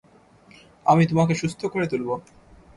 আমি তোমাকে সুস্থ করে তুলব।